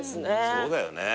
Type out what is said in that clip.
そうだよね。